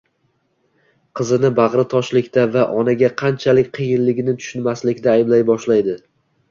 qizini bag‘ri toshlikda va onaga qanchalik qiyinligini tushunmaslikda ayblay boshlaydi.